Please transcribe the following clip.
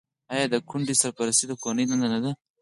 آیا د کونډې سرپرستي د کورنۍ دنده نه ده؟